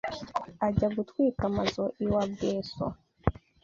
Ajya gutwika amazu iwa Bweso